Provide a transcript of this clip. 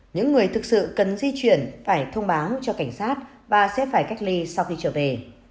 những người thực sự cần di chuyển phải thông báo cho cảnh sát và sẽ phải cách ly sau khi trở về